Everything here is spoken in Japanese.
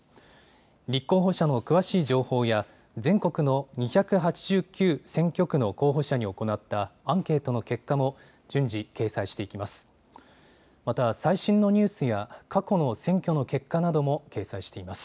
立候補者の詳しい情報や全国の２８９選挙区の候補者に行ったアンケートの結果も順次掲載していきます。